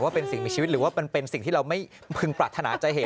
เป็นสิ่งมีชีวิตหรือว่ามันเป็นสิ่งที่เราไม่พึงปรารถนาจะเห็น